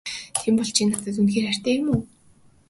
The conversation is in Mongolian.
Тийм бол чи надад үнэхээр хайртай юм уу?